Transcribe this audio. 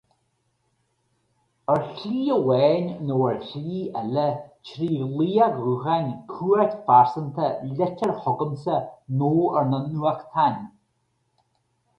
Ar shlí amháin nó ar shlí eile, trí ghlaoch gutháin, cuairt phearsanta, litir chugamsa nó ar na nuachtáin.